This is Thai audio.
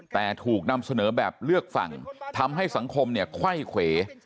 แต่ถูกนำเสนอแบบเลือกฝั่งทำให้สังคมเนี่ยไขว้เขว